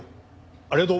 ありがとう。